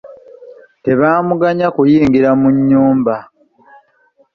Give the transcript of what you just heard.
Tebaamuganya kuyingira mu nnyumba.